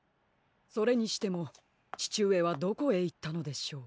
それにしてもちちうえはどこへいったのでしょう？